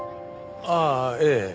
ああええ。